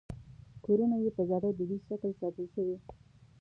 کورونه یې په زاړه دودیز شکل ساتل شوي.